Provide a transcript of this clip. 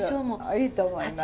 いいと思います。